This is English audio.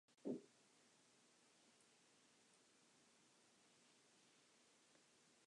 She was named for Swatara Creek in Pennsylvania.